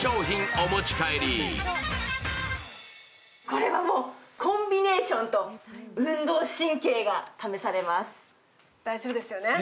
これはもう、コンビネーションと運動神経が試されます。